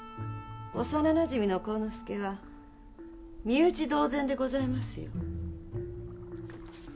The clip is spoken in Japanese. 幼なじみの晃之助は身内同然でございますよ。